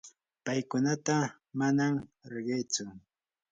paykunata manam riqitsu.